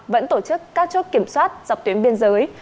vẫn tổ chức các chốt kiểm soát dọc tuyến biên giới